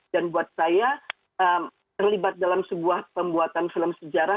dan buat saya terlibat dalam sebuah pembuatan film sejarah